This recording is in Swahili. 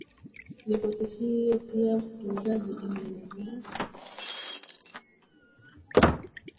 ripoti hiyo pia msikilizaji imeelezea